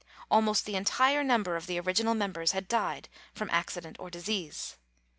Almost the entire number of the original members had died from accident or disease.